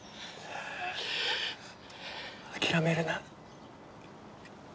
諦めるな。